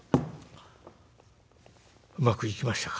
「うまくいきましたか？」。